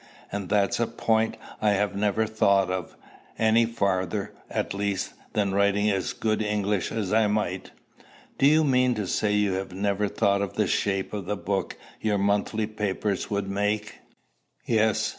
"And that's a point I have never thought of; any farther, at least, than writing as good English as I might." "Do you mean to say you have never thought of the shape of the book your monthly papers would make?" "Yes.